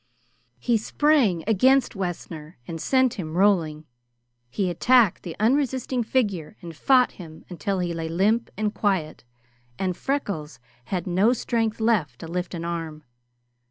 He sprang against Wessner and sent him rolling. He attacked the unresisting figure and fought him until he lay limp and quiet and Freckles had no strength left to lift an arm.